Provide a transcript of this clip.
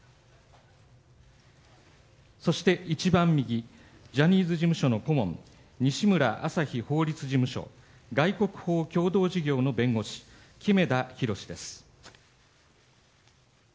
そして一番右ジャニーズ事務所の顧問西村あさひ法律事務所外国法共同事業の弁護士木目田裕です。